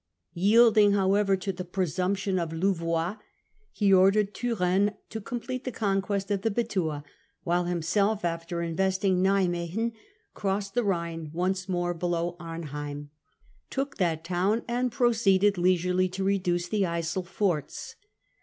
Yielding however to the presumption of Louvois, he ordered Turenne to complete the conquest of the Betuwe, while himself, after investing Nimwegen, crossed the Rhine once more below Arnheim, took that town, and proceeded leisurely to reduce the Yssel forts.